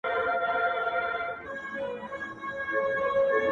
له مخي په جرمني کي د افغان مرکې